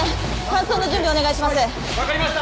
搬送の準備お願いします。